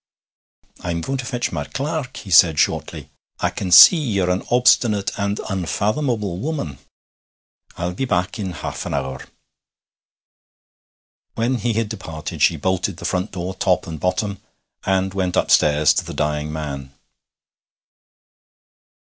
'I'm going to fetch my clerk,' he said shortly. 'I can see ye're an obstinate and unfathomable woman. I'll be back in half an hour.' When he had departed she bolted the front door top and bottom, and went upstairs to the dying man.